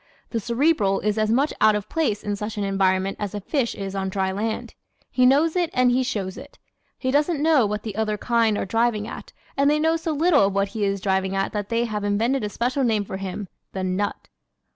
The Cerebral is as much out of place in such an environment as a fish is on dry land. He knows it and he shows it. He doesn't know what the other kind are driving at and they know so little of what he is driving at that they have invented a special name for him the "nut."